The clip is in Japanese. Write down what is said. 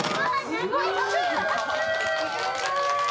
すごーい！